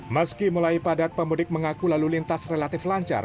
meski mulai padat pemudik mengaku lalu lintas relatif lancar